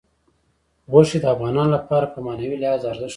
غوښې د افغانانو لپاره په معنوي لحاظ ارزښت لري.